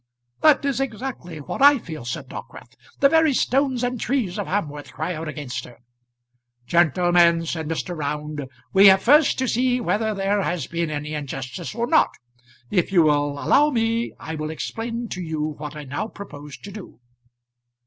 "That is exactly what I feel," said Dockwrath. "The very stones and trees of Hamworth cry out against her." "Gentlemen," said Mr. Round, "we have first to see whether there has been any injustice or not. If you will allow me I will explain to you what I now propose to do."